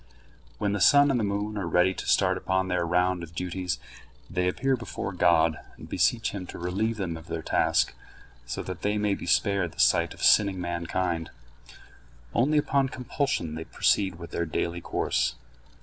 When the sun and the moon are ready to start upon their round of duties, they appear before God, and beseech him to relieve them of their task, so that they may be spared the sight of sinning mankind. Only upon compulsion they proceed with their daily course.